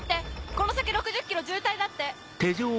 この先６０ｋｍ渋滞だって。